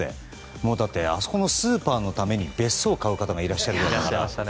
あそこのスーパーのために別荘を買う人がいらっしゃるぐらい。